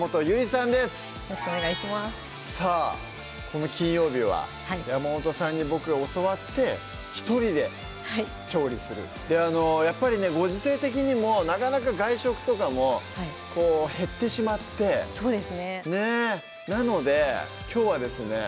この金曜日は山本さんにボクが教わって１人で調理するやっぱりねご時世的にもなかなか外食とかもこう減ってしまってそうですねなのできょうはですね